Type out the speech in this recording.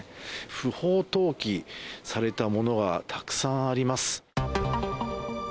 不法投棄されたものがたくさんあります。